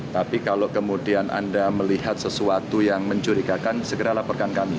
tapi kalau kemudian anda melihat sesuatu yang mencurigakan segera laporkan kami